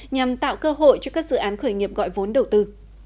nhằm tạo cơ hội cho các dự án khởi nghiệp gọi vốn đầu tư